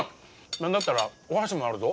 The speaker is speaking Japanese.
なんだったらお箸もあるぞ。